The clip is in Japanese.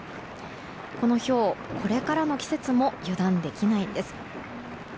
このひょう、これからの季節も油断できないんです。